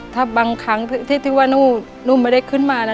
ถ้าบางครั้งที่ว่าหนูไม่ได้ขึ้นมานะ